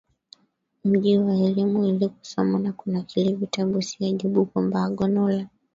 mji wa elimu ili kusoma na kunakili vitabu Si ajabu kwamba Agano la